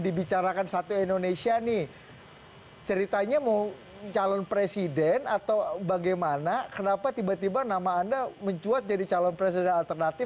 dibicarakan satu indonesia nih ceritanya mau calon presiden atau bagaimana kenapa tiba tiba nama anda